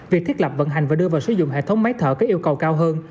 việc thiết lập vận hành và đưa vào sử dụng hệ thống máy thở có yêu cầu cao hơn